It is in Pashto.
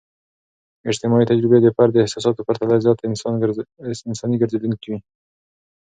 اجتماعي تجربې د فرد د احساساتو په پرتله زیات انساني ګرځیدونکي وي.